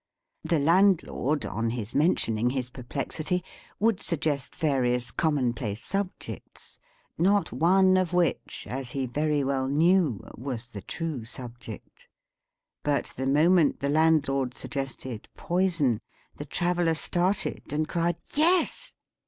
The landlord, on his mentioning his perplexity, would suggest various commonplace subjects, not one of which, as he very well knew, was the true subject. But the moment the landlord suggested "Poison," the traveller started, and cried, "Yes!"